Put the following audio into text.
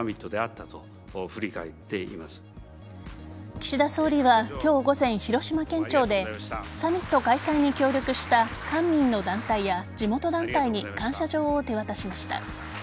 岸田総理は今日午前、広島県庁でサミット開催に協力した官民の団体や地元団体に感謝状を手渡しました。